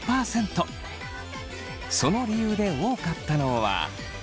その理由で多かったのは。